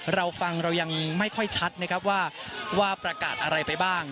เราฟังเรายังไม่ค่อยชัดนะครับว่าประกาศอะไรไปบ้าง